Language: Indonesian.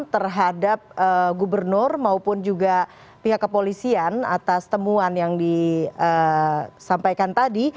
terhadap gubernur maupun juga pihak kepolisian atas temuan yang disampaikan tadi